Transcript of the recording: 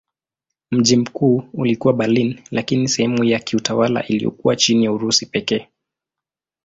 Mji mkuu ulikuwa Berlin lakini sehemu ya kiutawala iliyokuwa chini ya Urusi pekee.